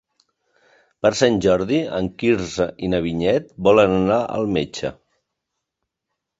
Per Sant Jordi en Quirze i na Vinyet volen anar al metge.